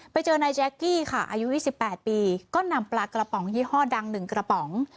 ไปเจอนายแจ๊กกี้ค่ะอายุ๒๘ปีก็นำปลากระป๋องยี่ห้อดัง๑กระป๋อง